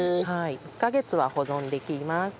１カ月は保存できます。